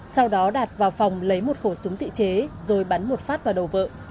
sau đó đạt vào phòng lấy một khẩu súng tự chế rồi bắn một phát vào đầu vợ